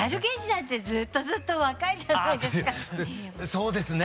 そうですね。